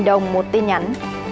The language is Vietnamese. một đồng một tin nhắn